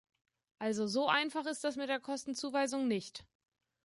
Also so einfach ist das mit der Kostenzuweisung nicht.